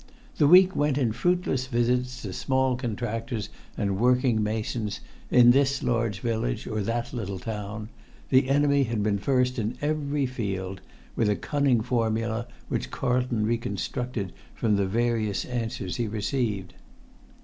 The week went in fruitless visits to small contractors and working masons in this large village or in that little town; the[Pg 106] enemy had been first in every field, with a cunning formula which Carlton reconstructed from the various answers he received.